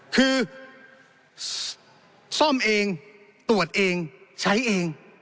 คือซ่อมเองตรวจเองใช้เอง